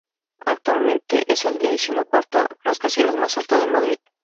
Actualmente es el decimocuarto rascacielos más alto de Madrid.